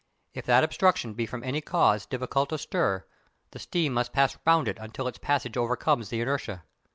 If that obstruction be from any cause difficult to stir, the steam must pass round it until its pressure overcomes the inertia.